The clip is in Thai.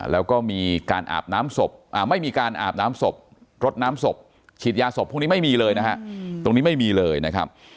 แล้วก็มีการอาบน้ำศพไม่มีการอาบน้ำศพรดน้ำศพฉีดยาศพพรุ่งนี้ไม่มีเลยนะฮะ